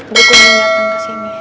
dia belum datang kesini